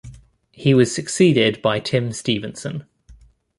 He was succeeded by Tim Stevenson.